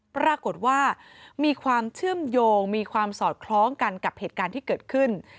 ปรากฏว่ามีความเชื่อมโยงมีความสอดคล้องกันกับเหตุการณ์ที่เกิดขึ้น